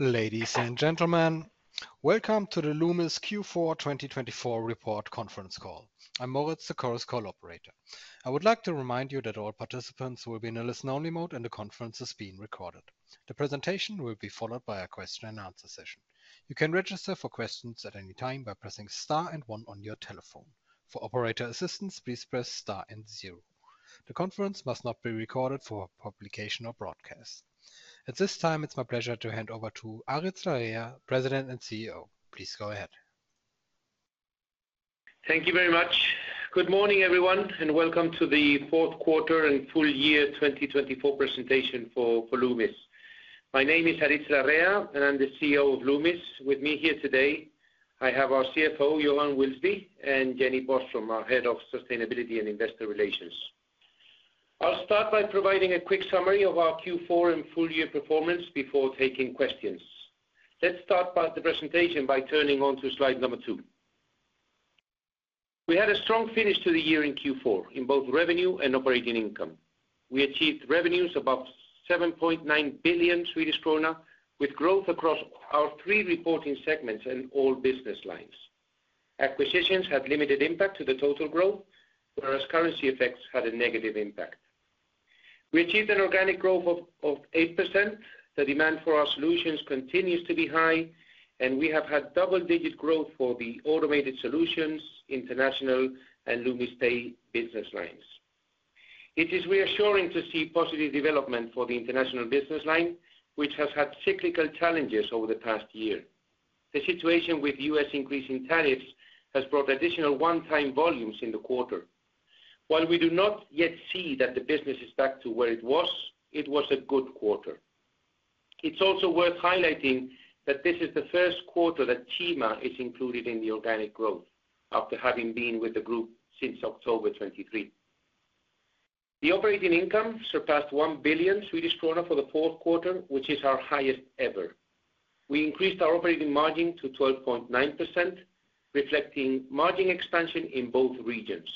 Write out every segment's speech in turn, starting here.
Ladies and gentlemen, welcome to the Loomis Q4 2024 report conference call. I'm Moritz, the Chorus Call operator. I would like to remind you that all participants will be in a listen-only mode, and the conference is being recorded. The presentation will be followed by a question-and-answer session. You can register for questions at any time by pressing star and one on your telephone. For operator assistance, please press star and zero. The conference must not be recorded for publication or broadcast. At this time, it's my pleasure to hand over to Aritz Larrea, President and CEO. Please go ahead. Thank you very much. Good morning, everyone, and welcome to the fourth quarter and full year 2024 presentation for Loomis. My name is Aritz Larrea, and I'm the CEO of Loomis. With me here today, I have our CFO, Johan Wilsby, and Jenny Boström, our Head of Sustainability and Investor Relations. I'll start by providing a quick summary of our Q4 and full year performance before taking questions. Let's start the presentation by turning on to slide number two. We had a strong finish to the year in Q4 in both revenue and operating income. We achieved revenues above 7.9 billion Swedish krona, with growth across our three reporting segments and all business lines. Acquisitions had limited impact to the total growth, whereas currency effects had a negative impact. We achieved an organic growth of 8%. The demand for our solutions continues to be high, and we have had double-digit growth for the Automated Solutions, International, and Loomis Pay business lines. It is reassuring to see positive development for the International business line, which has had cyclical challenges over the past year. The situation with U.S. increasing tariffs has brought additional one-time volumes in the quarter. While we do not yet see that the business is back to where it was, it was a good quarter. It's also worth highlighting that this is the first quarter that CIMA is included in the organic growth, after having been with the group since October 2023. The operating income surpassed 1 billion Swedish krona for the fourth quarter, which is our highest ever. We increased our operating margin to 12.9%, reflecting margin expansion in both regions.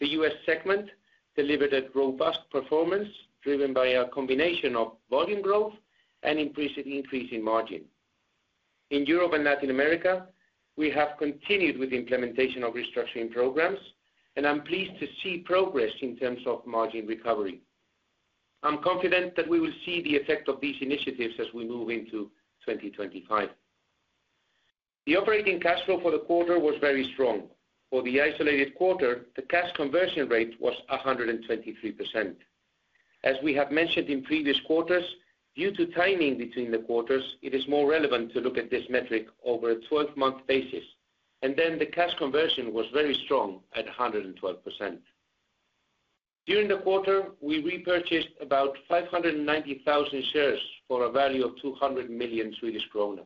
The U.S. segment delivered a robust performance driven by a combination of volume growth and an implicit increase in margin. In Europe and Latin America, we have continued with the implementation of restructuring programs, and I'm pleased to see progress in terms of margin recovery. I'm confident that we will see the effect of these initiatives as we move into 2025. The operating cash flow for the quarter was very strong. For the isolated quarter, the cash conversion rate was 123%. As we have mentioned in previous quarters, due to timing between the quarters, it is more relevant to look at this metric over a 12-month basis, and then the cash conversion was very strong at 112%. During the quarter, we repurchased about 590,000 shares for a value of 200 million Swedish krona.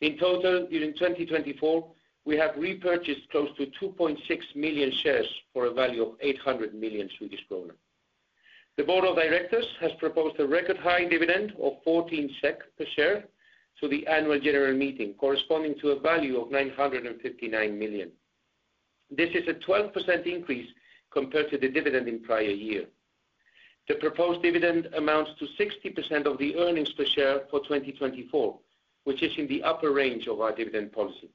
In total, during 2024, we have repurchased close to 2.6 million shares for a value of 800 million Swedish kronor. The Board of Directors has proposed a record-high dividend of 14 SEK per share to the Annual General Meeting, corresponding to a value of 959 million. This is a 12% increase compared to the dividend in the prior year. The proposed dividend amounts to 60% of the earnings per share for 2024, which is in the upper range of our dividend policy.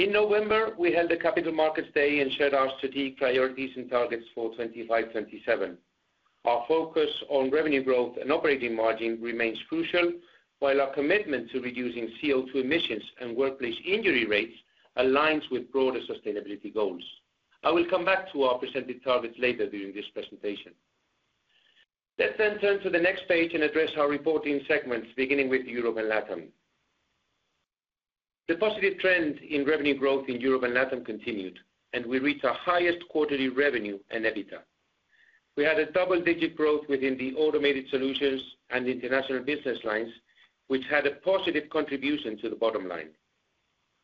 In November, we held a Capital Markets Day and shared our strategic priorities and targets for 2025-2027. Our focus on revenue growth and operating margin remains crucial, while our commitment to reducing CO2 emissions and workplace injury rates aligns with broader sustainability goals. I will come back to our presented targets later during this presentation. Let's then turn to the next page and address our reporting segments, beginning with Europe and LATAM. The positive trend in revenue growth in Europe and LATAM continued, and we reached our highest quarterly revenue and EBITDA. We had a double-digit growth within the Automated Solutions and International business lines, which had a positive contribution to the bottom line.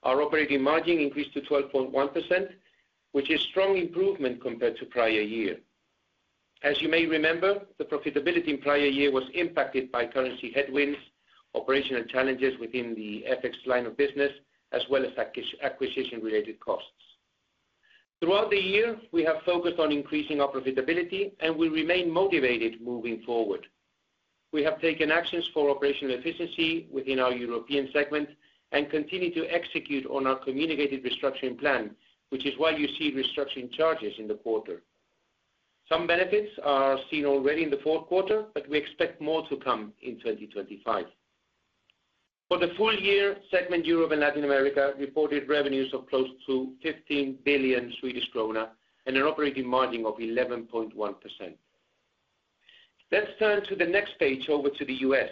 Our operating margin increased to 12.1%, which is a strong improvement compared to the prior year. As you may remember, the profitability in the prior year was impacted by currency headwinds, operational challenges within the FX line of business, as well as acquisition-related costs. Throughout the year, we have focused on increasing our profitability, and we remain motivated moving forward. We have taken actions for operational efficiency within our European segment and continue to execute on our communicated restructuring plan, which is why you see restructuring charges in the quarter. Some benefits are seen already in the fourth quarter, but we expect more to come in 2025. For the full year, the segment Europe and Latin America reported revenues of close to 15 billion Swedish krona and an operating margin of 11.1%. Let's turn to the next page, over to the U.S.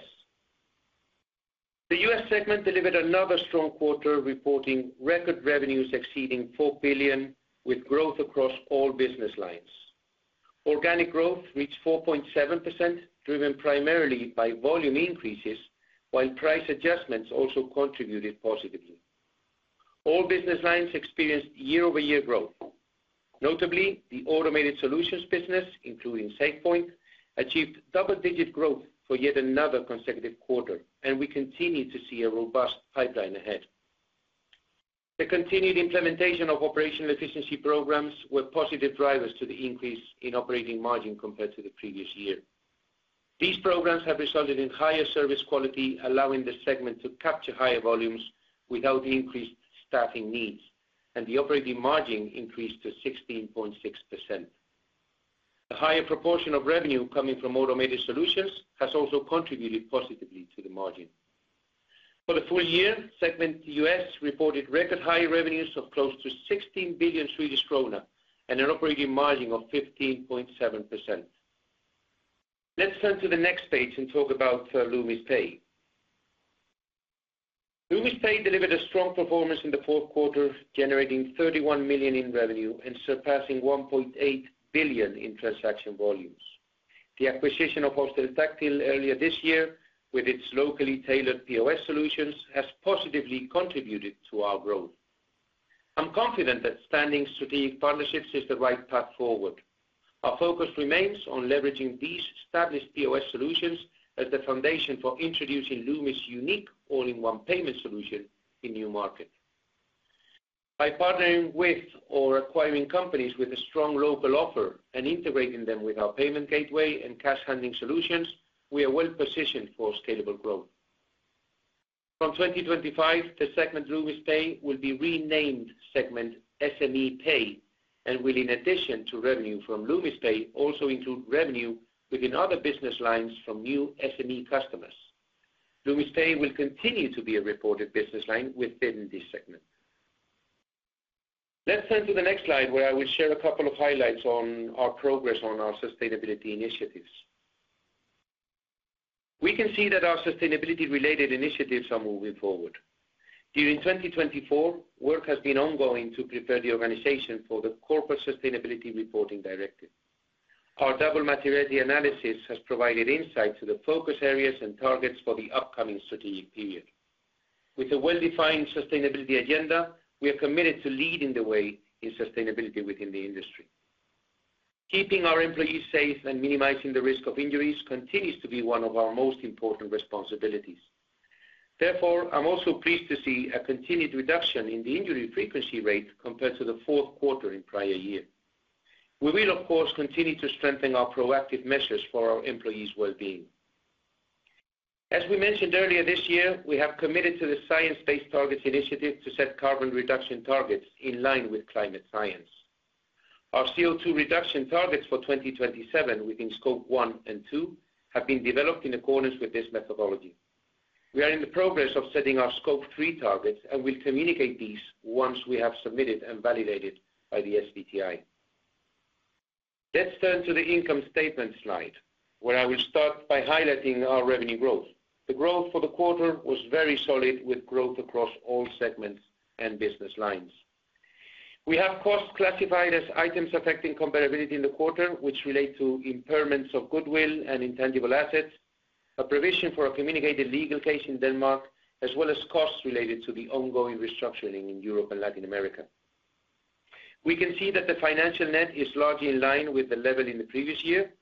The U.S. segment delivered another strong quarter, reporting record revenues exceeding 4 billion, with growth across all business lines. Organic growth reached 4.7%, driven primarily by volume increases, while price adjustments also contributed positively. All business lines experienced year-over-year growth. Notably, the Automated Solutions business, including SafePoint, achieved double-digit growth for yet another consecutive quarter, and we continue to see a robust pipeline ahead. The continued implementation of operational efficiency programs were positive drivers to the increase in operating margin compared to the previous year. These programs have resulted in higher service quality, allowing the segment to capture higher volumes without increased staffing needs, and the operating margin increased to 16.6%. The higher proportion of revenue coming from Automated Solutions has also contributed positively to the margin. For the full year, the U.S. segment reported record-high revenues of close to 16 billion Swedish krona and an operating margin of 15.7%. Let's turn to the next page and talk about Loomis Pay. Loomis Pay delivered a strong performance in the fourth quarter, generating 31 million in revenue and surpassing 1.8 billion in transaction volumes. The acquisition of Hosteltáctil earlier this year, with its locally tailored POS solutions, has positively contributed to our growth. I'm confident that strengthening strategic partnerships is the right path forward. Our focus remains on leveraging these established POS solutions as the foundation for introducing Loomis' unique all-in-one payment solution in the new market. By partnering with or acquiring companies with a strong local offer and integrating them with our payment gateway and cash handling solutions, we are well positioned for scalable growth. From 2025, the segment Loomis Pay will be renamed segment SME Pay and will, in addition to revenue from Loomis Pay, also include revenue within other business lines from new SME customers. Loomis Pay will continue to be a reported business line within this segment. Let's turn to the next slide, where I will share a couple of highlights on our progress on our sustainability initiatives. We can see that our sustainability-related initiatives are moving forward. During 2024, work has been ongoing to prepare the organization for the Corporate Sustainability Reporting Directive. Our double-materiality analysis has provided insight to the focus areas and targets for the upcoming strategic period. With a well-defined sustainability agenda, we are committed to leading the way in sustainability within the industry. Keeping our employees safe and minimizing the risk of injuries continues to be one of our most important responsibilities. Therefore, I'm also pleased to see a continued reduction in the injury frequency rate compared to the fourth quarter in the prior year. We will, of course, continue to strengthen our proactive measures for our employees' well-being. As we mentioned earlier this year, we have committed to the Science Based Targets initiative to set carbon reduction targets in line with climate science. Our CO2 reduction targets for 2027 within Scope 1 and 2 have been developed in accordance with this methodology. We are in progress of setting our Scope 3 targets, and we'll communicate these once we have submitted and validated by the SBTi. Let's turn to the income statement slide, where I will start by highlighting our revenue growth. The growth for the quarter was very solid, with growth across all segments and business lines. We have costs classified as items affecting comparability in the quarter, which relate to impairments of goodwill and intangible assets, a provision for a communicated legal case in Denmark, as well as costs related to the ongoing restructuring in Europe and Latin America. We can see that the financial net is largely in line with the level in the previous year.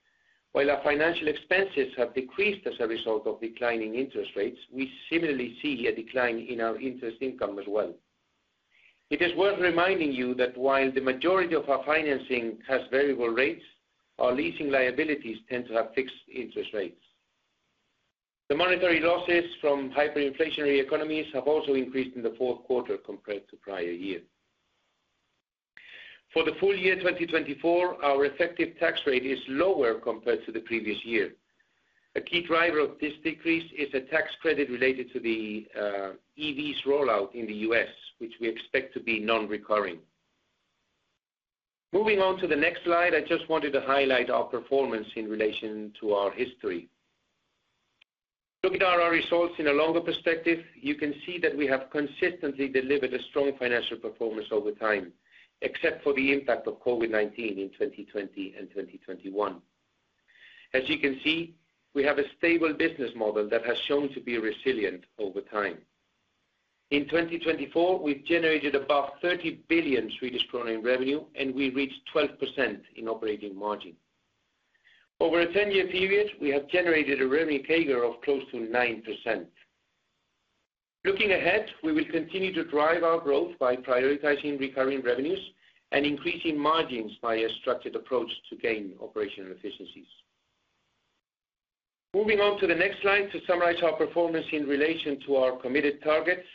While our financial expenses have decreased as a result of declining interest rates, we similarly see a decline in our interest income as well. It is worth reminding you that while the majority of our financing has variable rates, our leasing liabilities tend to have fixed interest rates. The monetary losses from hyperinflationary economies have also increased in the fourth quarter compared to the prior year. For the full year 2024, our effective tax rate is lower compared to the previous year. A key driver of this decrease is a tax credit related to the EVs rollout in the U.S., which we expect to be non-recurring. Moving on to the next slide, I just wanted to highlight our performance in relation to our history. Looking at our results in a longer perspective, you can see that we have consistently delivered a strong financial performance over time, except for the impact of COVID-19 in 2020 and 2021. As you can see, we have a stable business model that has shown to be resilient over time. In 2024, we've generated above 30 billion Swedish kronor in revenue, and we reached 12% in operating margin. Over a 10-year period, we have generated a revenue CAGR of close to 9%. Looking ahead, we will continue to drive our growth by prioritizing recurring revenues and increasing margins by a structured approach to gain operational efficiencies. Moving on to the next slide to summarize our performance in relation to our committed targets,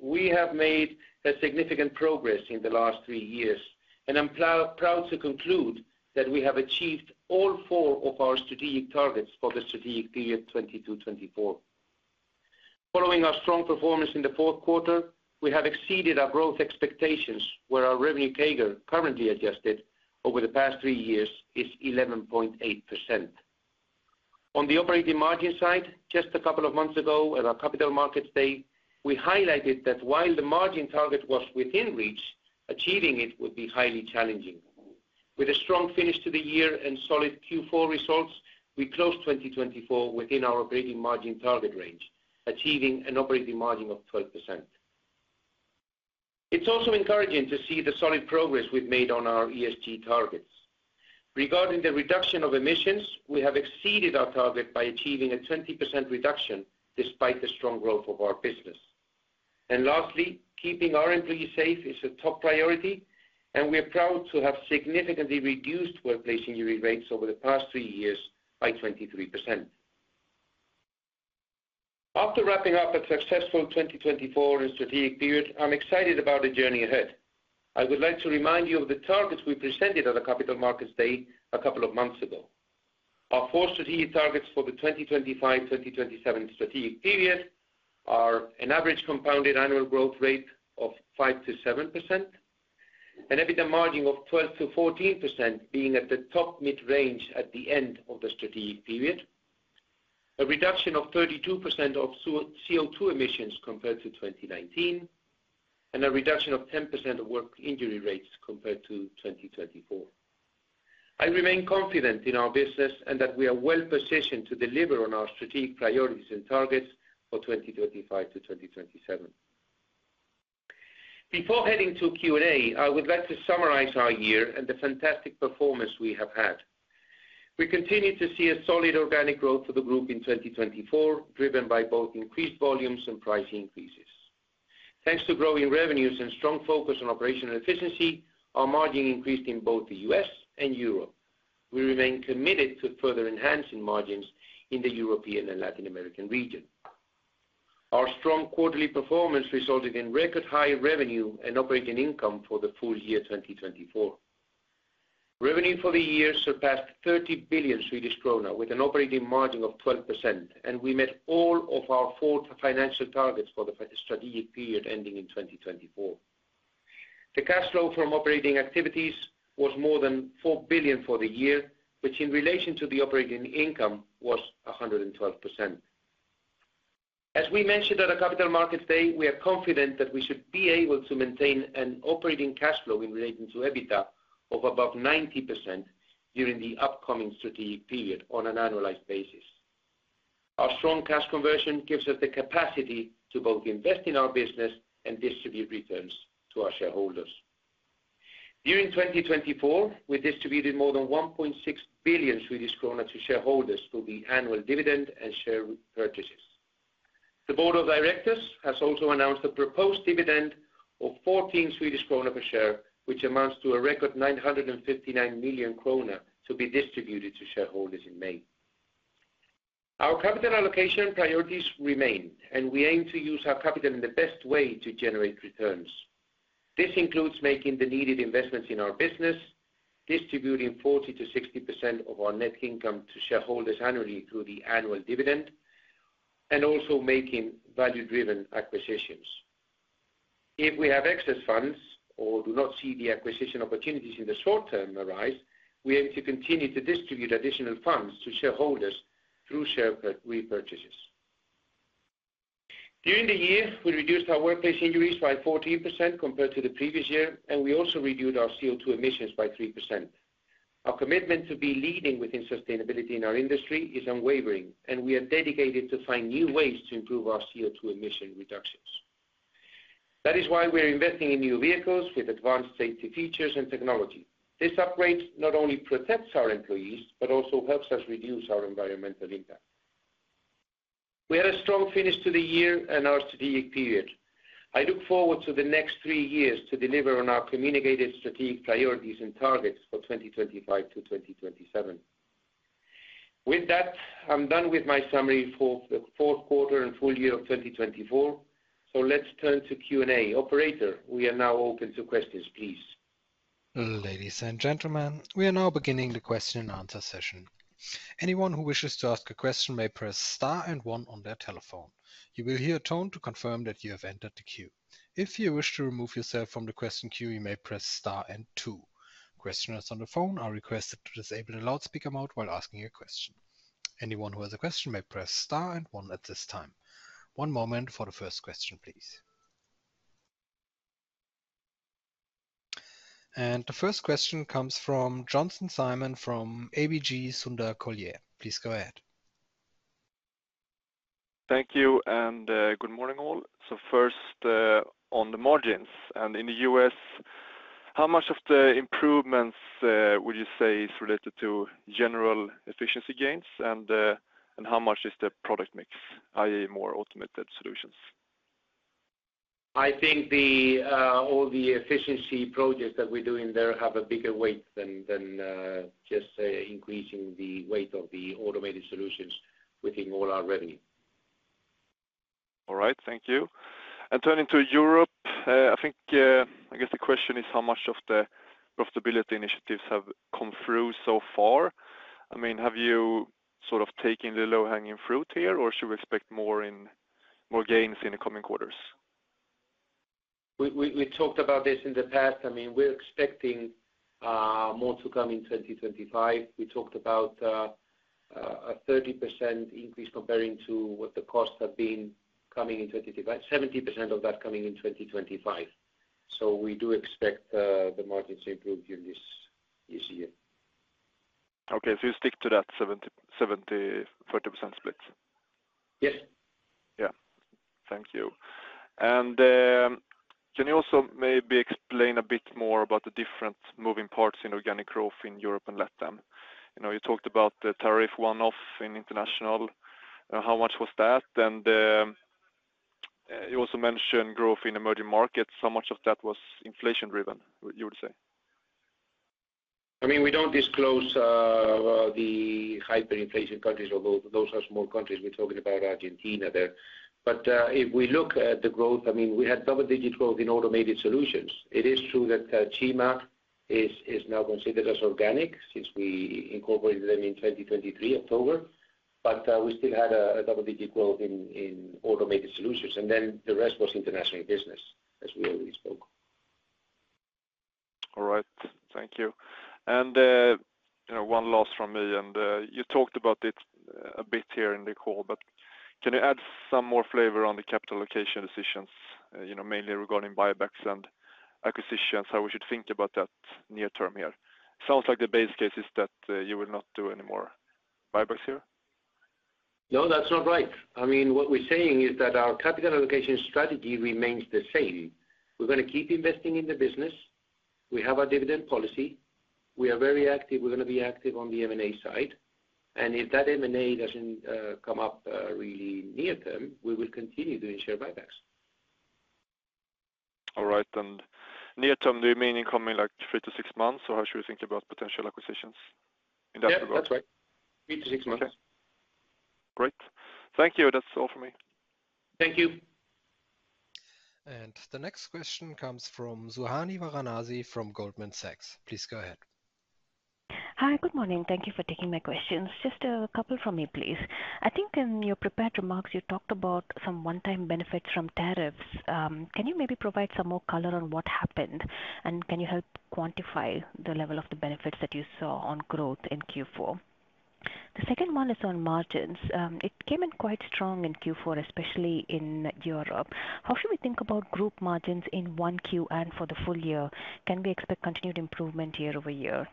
we have made significant progress in the last three years, and I'm proud to conclude that we have achieved all four of our strategic targets for the strategic period 2022-2024. Following our strong performance in the fourth quarter, we have exceeded our growth expectations, where our revenue CAGR, currently adjusted over the past three years, is 11.8%. On the operating margin side, just a couple of months ago at our Capital Markets Day, we highlighted that while the margin target was within reach, achieving it would be highly challenging. With a strong finish to the year and solid Q4 results, we closed 2024 within our operating margin target range, achieving an operating margin of 12%. It's also encouraging to see the solid progress we've made on our ESG targets. Regarding the reduction of emissions, we have exceeded our target by achieving a 20% reduction despite the strong growth of our business. And lastly, keeping our employees safe is a top priority, and we are proud to have significantly reduced workplace injury rates over the past three years by 23%. After wrapping up a successful 2024 strategic period, I'm excited about the journey ahead. I would like to remind you of the targets we presented at our Capital Markets Day a couple of months ago. Our four strategic targets for the 2025-2027 strategic period are an average compound annual growth rate of 5%-7%, an EBITDA margin of 12%-14%, being at the top mid-range at the end of the strategic period, a reduction of 32% of CO2 emissions compared to 2019, and a reduction of 10% of work injury rates compared to 2024. I remain confident in our business and that we are well positioned to deliver on our strategic priorities and targets for 2025 to 2027. Before heading to Q&A, I would like to summarize our year and the fantastic performance we have had. We continue to see a solid organic growth for the group in 2024, driven by both increased volumes and price increases. Thanks to growing revenues and strong focus on operational efficiency, our margin increased in both the U.S. and Europe. We remain committed to further enhancing margins in the European and Latin American region. Our strong quarterly performance resulted in record-high revenue and operating income for the full year 2024. Revenue for the year surpassed 30 billion Swedish krona with an operating margin of 12%, and we met all of our four financial targets for the strategic period ending in 2024. The cash flow from operating activities was more than 4 billion for the year, which in relation to the operating income was 112%. As we mentioned at our Capital Markets Day, we are confident that we should be able to maintain an operating cash flow in relation to EBITDA of above 90% during the upcoming strategic period on an annualized basis. Our strong cash conversion gives us the capacity to both invest in our business and distribute returns to our shareholders. During 2024, we distributed more than 1.6 billion Swedish krona to shareholders through the annual dividend and share purchases. The Board of Directors has also announced a proposed dividend of 14 Swedish krona per share, which amounts to a record 959 million krona to be distributed to shareholders in May. Our capital allocation priorities remain, and we aim to use our capital in the best way to generate returns. This includes making the needed investments in our business, distributing 40%-60% of our net income to shareholders annually through the annual dividend, and also making value-driven acquisitions. If we have excess funds or do not see the acquisition opportunities in the short term arise, we aim to continue to distribute additional funds to shareholders through share repurchases. During the year, we reduced our workplace injuries by 14% compared to the previous year, and we also reduced our CO2 emissions by 3%. Our commitment to be leading within sustainability in our industry is unwavering, and we are dedicated to finding new ways to improve our CO2 emission reductions. That is why we're investing in new vehicles with advanced safety features and technology. This upgrade not only protects our employees but also helps us reduce our environmental impact. We had a strong finish to the year and our strategic period. I look forward to the next three years to deliver on our communicated strategic priorities and targets for 2025 to 2027. With that, I'm done with my summary for the fourth quarter and full year of 2024, so let's turn to Q&A. Operator, we are now open to questions, please. Ladies and gentlemen, we are now beginning the question-and-answer session. Anyone who wishes to ask a question may press star and one on their telephone. You will hear a tone to confirm that you have entered the queue. If you wish to remove yourself from the question queue, you may press star and two. Questioners on the phone are requested to disable the loudspeaker mode while asking a question. Anyone who has a question may press star and one at this time. One moment for the first question, please. And the first question comes from Simon Jönsson from ABG Sundal Collier. Please go ahead. Thank you and good morning, all. So first, on the margins and in the U.S., how much of the improvements would you say is related to general efficiency gains, and how much is the product mix, i.e., more Automated Solutions? I think all the efficiency projects that we're doing there have a bigger weight than just increasing the weight of the Automated Solutions within all our revenue. All right, thank you. And turning to Europe, I guess the question is how much of the profitability initiatives have come through so far. I mean, have you sort of taken the low-hanging fruit here, or should we expect more gains in the coming quarters? We talked about this in the past. I mean, we're expecting more to come in 2025. We talked about a 30% increase comparing to what the costs have been coming in 2025, 70% of that coming in 2025. So we do expect the margins to improve during this year. Okay, so you stick to that 70%-30% split? Yes. Yeah, thank you. Can you also maybe explain a bit more about the different moving parts in organic growth in Europe and LATAM? You talked about the tariff one-off in International. How much was that? And you also mentioned growth in emerging markets. How much of that was inflation-driven, you would say? I mean, we don't disclose the hyperinflation countries, although those are small countries. We're talking about Argentina there. But if we look at the growth, I mean, we had double-digit growth in Automated Solutions. It is true that CIMA is now considered as organic since we incorporated them in October 2023, but we still had a double-digit growth in Automated Solutions. And then the rest was International business, as we already spoke. All right, thank you. One last from me, and you talked about it a bit here in the call, but can you add some more flavor on the capital allocation decisions, mainly regarding buybacks and acquisitions, how we should think about that near-term here? Sounds like the base case is that you will not do any more buybacks here. No, that's not right. I mean, what we're saying is that our capital allocation strategy remains the same. We're going to keep investing in the business. We have our dividend policy. We are very active. We're going to be active on the M&A side. And if that M&A doesn't come up really near-term, we will continue doing share buybacks. All right. And near-term, do you mean in the coming like three to six months, or how should we think about potential acquisitions in that regard? Yeah, that's right. Three-six months. Okay. Great. Thank you. That's all from me. Thank you. And the next question comes from Suhasini Varanasi from Goldman Sachs. Please go ahead. Hi, good morning. Thank you for taking my questions. Just a couple from me, please. I think in your prepared remarks, you talked about some one-time benefits from tariffs. Can you maybe provide some more color on what happened, and can you help quantify the level of the benefits that you saw on growth in Q4? The second one is on margins. It came in quite strong in Q4, especially in Europe. How should we think about group margins in 1Q and for the full year? Can we expect continued improvement year over year?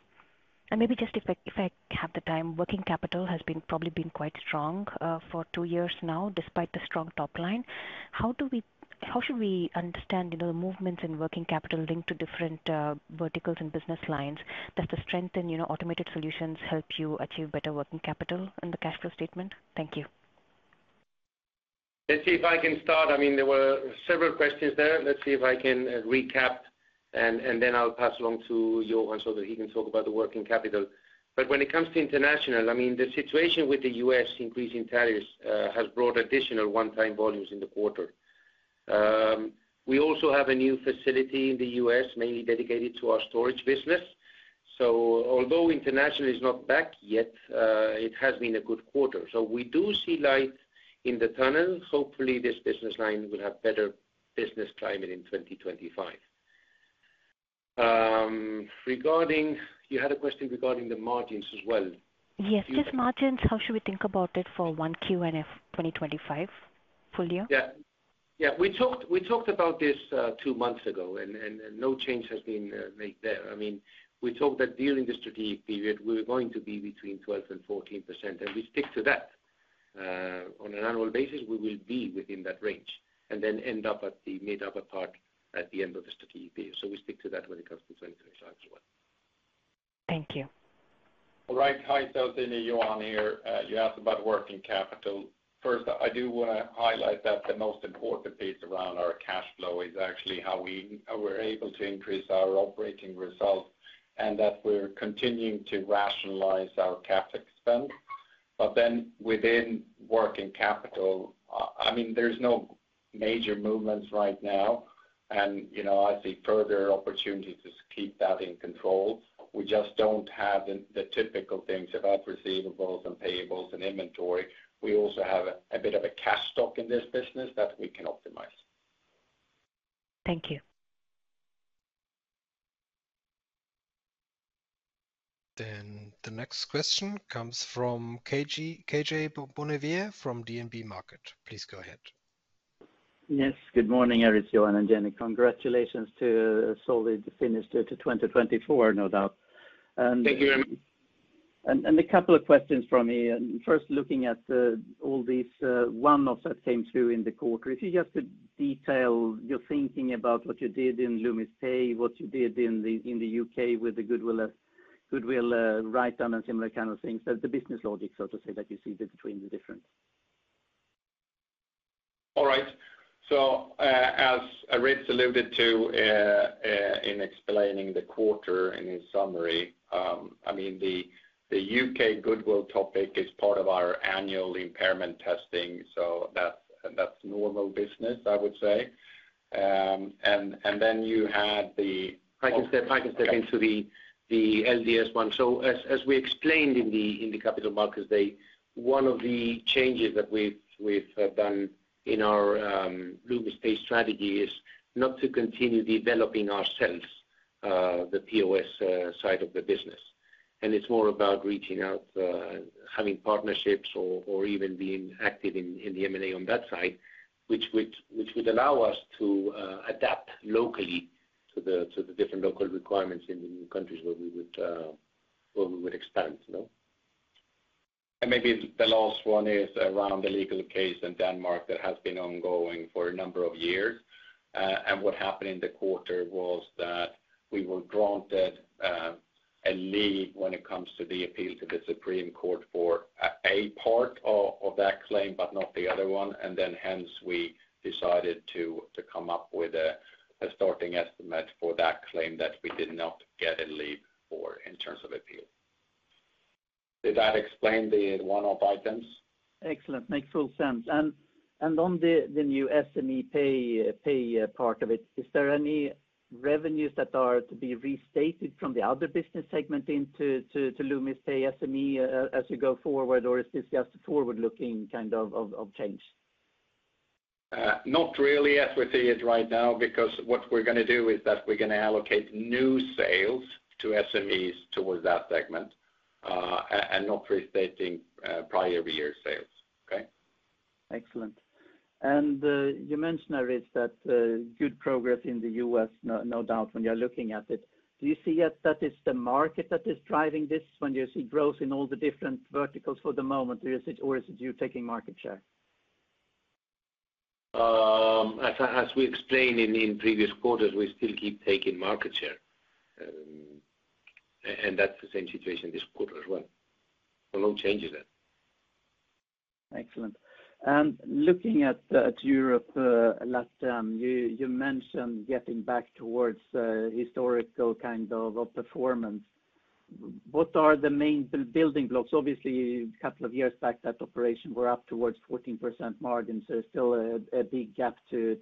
And maybe just if I have the time, working capital has probably been quite strong for two years now, despite the strong top line. How should we understand the movements in working capital linked to different verticals and business lines that strengthen Automated Solutions help you achieve better working capital in the cash flow statement? Thank you. Let's see if I can start. I mean, there were several questions there. Let's see if I can recap, and then I'll pass along to Johan so that he can talk about the working capital. But when it comes to International, I mean, the situation with the U.S. increasing tariffs has brought additional one-time volumes in the quarter. We also have a new facility in the U.S., mainly dedicated to our storage business. So although international is not back yet, it has been a good quarter. So we do see light in the tunnel. Hopefully, this business line will have better business climate in 2025. You had a question regarding the margins as well. Yes, just margins. How should we think about it for 1Q and FY 2025 full year? Yeah. Yeah, we talked about this two months ago, and no change has been made there. I mean, we talked that during the strategic period, we were going to be between 12% and 14%, and we stick to that. On an annual basis, we will be within that range and then end up at the mid-upper part at the end of the strategic period. So we stick to that when it comes to 2025 as well. Thank you. All right. Hi, Johan here. You asked about working capital. First, I do want to highlight that the most important piece around our cash flow is actually how we were able to increase our operating result and that we're continuing to rationalize our CapEx spend. But then within working capital, I mean, there's no major movements right now, and I see further opportunities to keep that in control. We just don't have the typical things about receivables and payables and inventory. We also have a bit of a cash stock in this business that we can optimize. Thank you. Then the next question comes from KJ Bonnevier from DNB Markets. Please go ahead. Yes, good morning, Aritz, Johan, and Jenny. Congratulations to solid finish to 2024, no doubt. Thank you very much. And a couple of questions from me. And first, looking at all these one-offs that came through in the quarter, if you just could detail your thinking about what you did in Loomis Pay, what you did in the U.K. with the goodwill write-down, and similar kind of things, the business logic, so to say, that you see between the different. All right. So as Aritz alluded to in explaining the quarter in his summary, I mean, the U.K. goodwill topic is part of our annual impairment testing, so that's normal business, I would say. And then you had the. I can step into the LDS one. So as we explained in the Capital Markets Day, one of the changes that we've done in our Loomis Pay strategy is not to continue developing ourselves, the POS side of the business. And it's more about reaching out, having partnerships, or even being active in the M&A on that side, which would allow us to adapt locally to the different local requirements in the countries where we would expand. And maybe the last one is around the legal case in Denmark that has been ongoing for a number of years. And what happened in the quarter was that we were granted a leave when it comes to the appeal to the Supreme Court for a part of that claim, but not the other one. And then hence, we decided to come up with a starting estimate for that claim that we did not get a leave for in terms of appeal. Did that explain the one-off items? Excellent. Makes full sense. And on the new SME Pay part of it, is there any revenues that are to be restated from the other business segment into Loomis Pay SME as you go forward, or is this just forward-looking kind of change? Not really as we see it right now, because what we're going to do is that we're going to allocate new sales to SMEs towards that segment and not restating prior year sales. Okay? Excellent. And you mentioned, Aritz, that good progress in the U.S., no doubt, when you're looking at it. Do you see that it's the market that is driving this when you see growth in all the different verticals for the moment, or is it you taking market share? As we explained in previous quarters, we still keep taking market share. And that's the same situation this quarter as well. No changes there. Excellent. And looking at Europe last term, you mentioned getting back towards historical kind of performance. What are the main building blocks? Obviously, a couple of years back, that operation were up towards 14% margins, so there's still a big gap to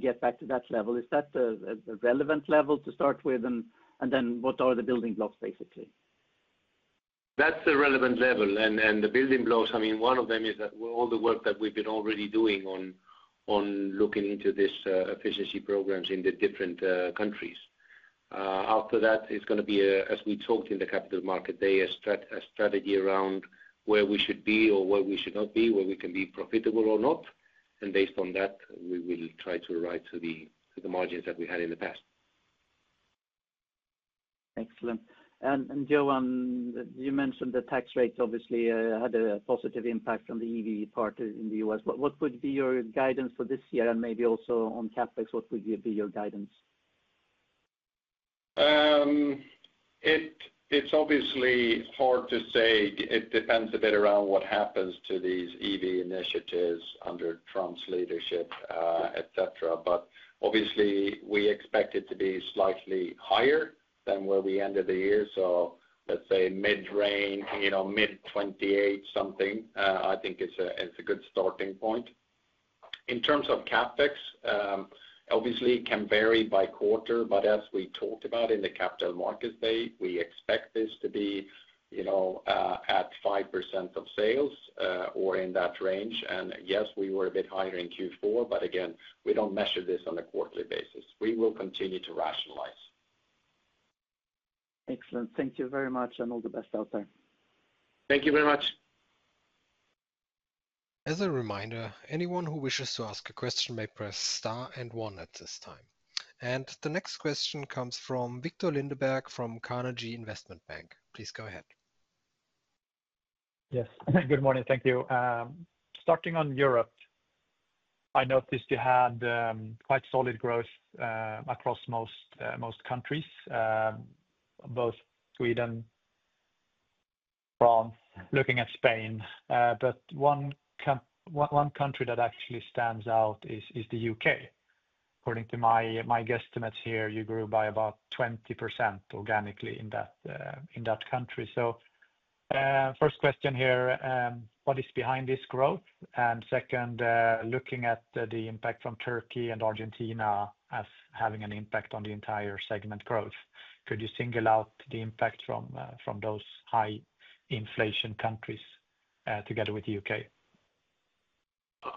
get back to that level. Is that a relevant level to start with? And then what are the building blocks, basically? That's a relevant level. The building blocks, I mean, one of them is all the work that we've been already doing on looking into these efficiency programs in the different countries. After that, it's going to be, as we talked in the Capital Markets Day, a strategy around where we should be or where we should not be, where we can be profitable or not. And based on that, we will try to drive to the margins that we had in the past. Excellent. And Johan, you mentioned the tax rates obviously had a positive impact on the EV part in the U.S. What would be your guidance for this year? And maybe also on CapEx, what would be your guidance? It's obviously hard to say. It depends a bit around what happens to these EV initiatives under Trump's leadership, etc. But obviously, we expect it to be slightly higher than where we ended the year. So let's say mid-range, mid-28 something. I think is a good starting point. In terms of CapEx, obviously, it can vary by quarter, but as we talked about in the Capital Markets Day, we expect this to be at 5% of sales or in that range. And yes, we were a bit higher in Q4, but again, we don't measure this on a quarterly basis. We will continue to rationalize. Excellent. Thank you very much, and all the best out there. Thank you very much. As a reminder, anyone who wishes to ask a question may press star and one at this time. And the next question comes from Viktor Lindeberg from Carnegie Investment Bank. Please go ahead. Yes. Good morning. Thank you. Starting on Europe, I noticed you had quite solid growth across most countries, both Sweden, France, looking at Spain. But one country that actually stands out is the U.K. According to my guesstimates here, you grew by about 20% organically in that country. So first question here, what is behind this growth? And second, looking at the impact from Turkey and Argentina as having an impact on the entire segment growth, could you single out the impact from those high inflation countries together with the U.K.?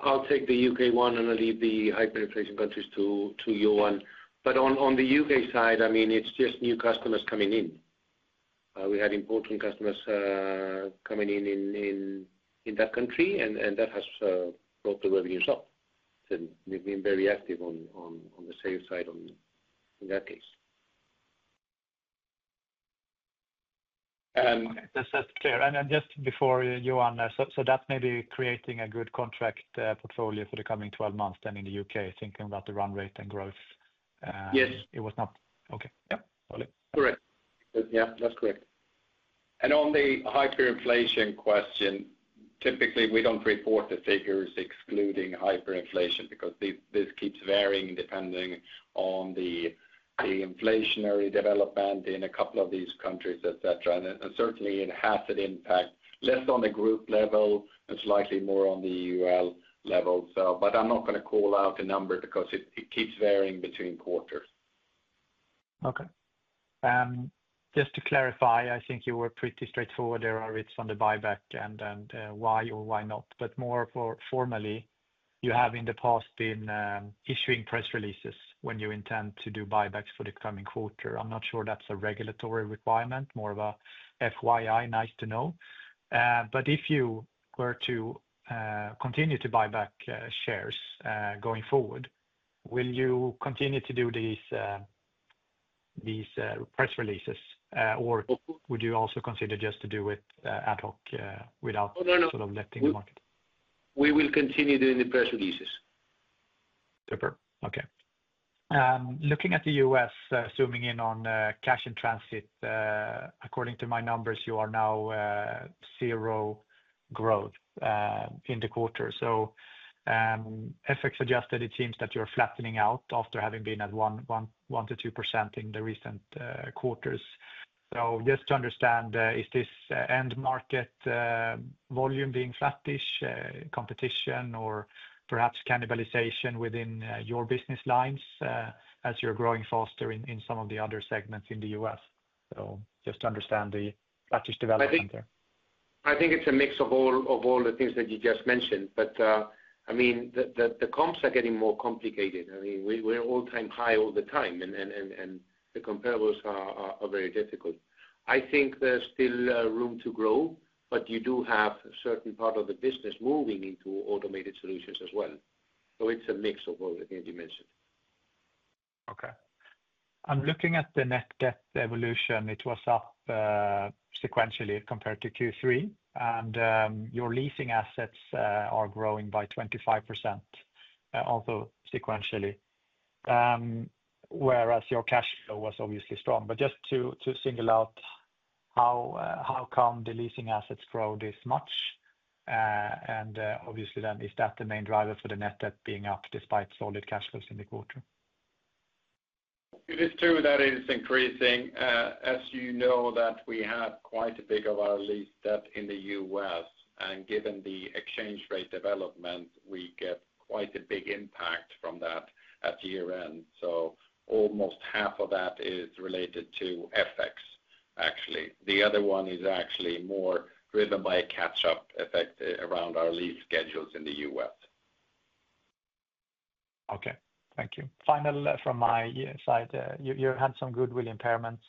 I'll take the U.K. one and leave the hyperinflation countries to Johan. But on the U.K. side, I mean, it's just new customers coming in. We had important customers coming in in that country, and that has brought the revenues up. They've been very active on the sales side in that case. That's clear. Just before, Johan, so that may be creating a good contract portfolio for the coming 12 months then in the U.K., thinking about the run rate and growth. It was not. Okay. Yep. Correct. Yeah, that's correct. On the hyperinflation question, typically, we don't report the figures excluding hyperinflation because this keeps varying depending on the inflationary development in a couple of these countries, etc. Certainly, it has an impact, less on the group level and slightly more on the EUL level. But I'm not going to call out a number because it keeps varying between quarters. Okay. Just to clarify, I think you were pretty straightforward, Aritz, on the buyback and why or why not. More formally, you have in the past been issuing press releases when you intend to do buybacks for the coming quarter. I'm not sure that's a regulatory requirement, more of a FYI, nice to know. But if you were to continue to buy back shares going forward, will you continue to do these press releases, or would you also consider just to do it ad hoc without sort of letting the market? We will continue doing the press releases. Super. Okay. Looking at the U.S., zooming in on Cash in Transit, according to my numbers, you are now zero growth in the quarter. So FX suggested it seems that you're flattening out after having been at 1%-2% in the recent quarters. So just to understand, is this end market volume being flattish, competition, or perhaps cannibalization within your business lines as you're growing faster in some of the other segments in the U.S.? So just to understand the flattish development there. I think it's a mix of all the things that you just mentioned. But I mean, the comps are getting more complicated. I mean, we're all-time high all the time, and the comparables are very difficult. I think there's still room to grow, but you do have a certain part of the business moving into Automated Solutions as well. So it's a mix of all the things you mentioned. Okay. I'm looking at the net debt evolution. It was up sequentially compared to Q3, and your leasing assets are growing by 25% also sequentially, whereas your cash flow was obviously strong. But just to single out, how come the leasing assets grow this much? And obviously, then, is that the main driver for the net debt being up despite solid cash flows in the quarter? It is true that it is increasing. As you know, we have quite a bit of our lease debt in the U.S. And given the exchange rate development, we get quite a big impact from that at year-end. So almost half of that is related to FX, actually. The other one is actually more driven by a catch-up effect around our lease schedules in the U.S. Okay. Thank you. Finally from my side, you had some goodwill impairments,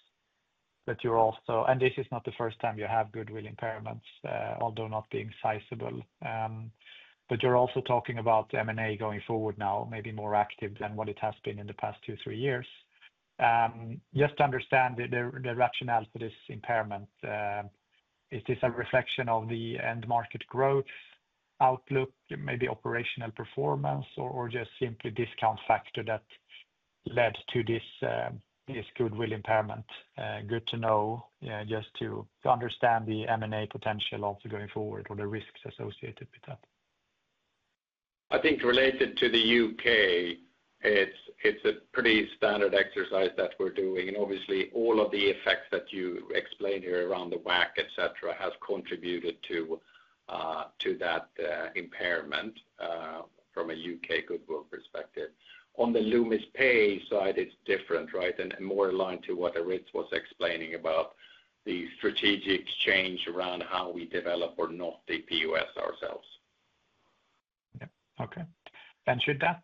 but you're also, and this is not the first time you have goodwill impairments, although not being sizable. But you're also talking about M&A going forward now, maybe more active than what it has been in the past two, three years. Just to understand the rationale for this impairment, is this a reflection of the end market growth outlook, maybe operational performance, or just simply discount factor that led to this goodwill impairment? Good to know, just to understand the M&A potential also going forward or the risks associated with that. I think related to the U.K., it's a pretty standard exercise that we're doing. And obviously, all of the effects that you explained here around the WACC, etc., have contributed to that impairment from a U.K. goodwill perspective. On the Loomis Pay side, it's different, right, and more aligned to what Aritz was explaining about the strategic change around how we develop or not the POS ourselves. Yeah. Okay. And should that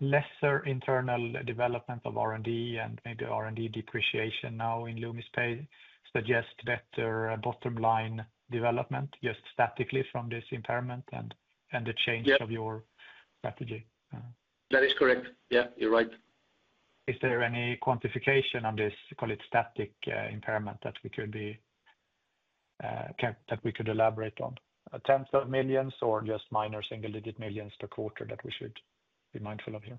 lesser internal development of R&D and maybe R&D depreciation now in Loomis Pay suggest better bottom-line development, just statically from this impairment and the change of your strategy? That is correct. Yeah, you're right. Is there any quantification on this, call it static impairment, that we could elaborate on? Tens of millions or just minor single-digit millions per quarter that we should be mindful of here?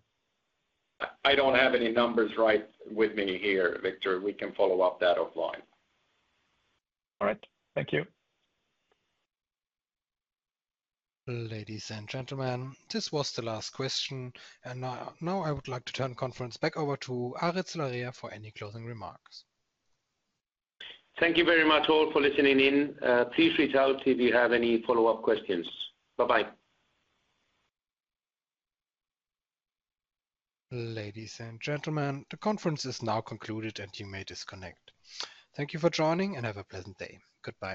I don't have any numbers right with me here, Viktor. We can follow up that offline. All right. Thank you. Ladies and gentlemen, this was the last question. And now I would like to turn the conference back over to Aritz Larrea for any closing remarks. Thank you very much all for listening in. Please reach out if you have any follow-up questions. Bye-bye. Ladies and gentlemen, the conference is now concluded, and you may disconnect. Thank you for joining, and have a pleasant day. Goodbye.